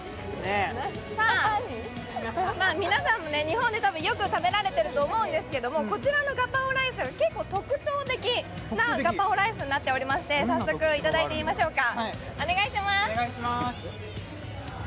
皆さんも日本でよく食べられていると思うんですけれども、こちらのガパオライス、結構特徴的なガパオライスになっていまして、早速、いただいてみましょうか。